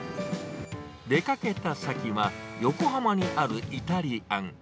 出かけた先は横浜にあるイタリアン。